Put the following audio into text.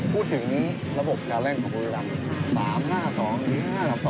พูดถึงระบบการเล่นของบุญรับ